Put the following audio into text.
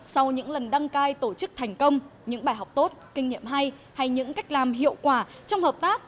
sau những lần đăng cai tổ chức thành công những bài học tốt kinh nghiệm hay hay những cách làm hiệu quả trong hợp tác